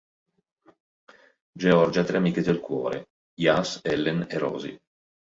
Georgia ha tre amiche del cuore: Jas, Ellen e Rosie.